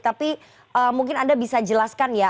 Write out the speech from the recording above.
tapi mungkin anda bisa jelaskan ya